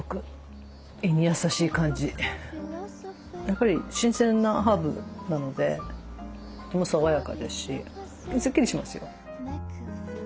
やっぱり新鮮なハーブなので爽やかですしスッキリしますよ。